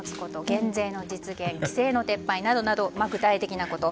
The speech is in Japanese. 減税の実現規制の撤廃などなど具体的なこと。